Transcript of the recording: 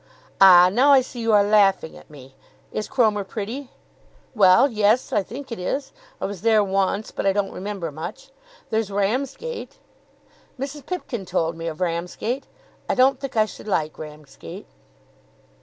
"Ah, now I see you are laughing at me. Is Cromer pretty?" "Well, yes; I think it is. I was there once, but I don't remember much. There's Ramsgate." "Mrs. Pipkin told me of Ramsgate. I don't think I should like Ramsgate."